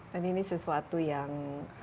dan ini sesuatu yang